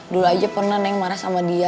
dulu aja pernah neng marah sama dia